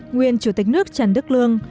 nguyên chủ tịch nước trần đức lương